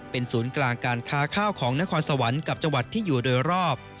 เป็นศูนย์กลางการค้าข้าวของนครสวรรค์กับจังหวัดที่อยู่โดยรอบ